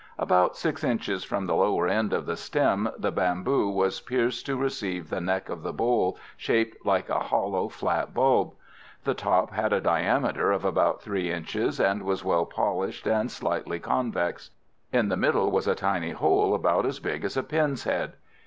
About 6 inches from the lower end of the stem the bamboo was pierced to receive the neck of the bowl, shaped like a hollow, flat bulb. The top had a diameter of about 3 inches, and was well polished and slightly convex. In the middle was a tiny hole about as big as a pin's head.